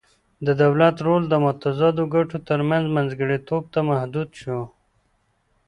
د دولت رول د متضادو ګټو ترمنځ منځګړیتوب ته محدود شو